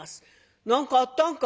「何かあったんか？」。